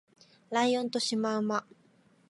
ライオンとシマウマ